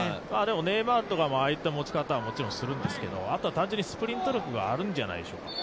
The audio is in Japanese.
ネイマールとかもああいう持ち方をするんですけどあとは単純にスプリント力があるんじゃないでしょうかね。